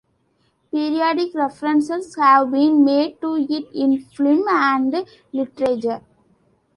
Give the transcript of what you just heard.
Periodic references have been made to it in film and literature.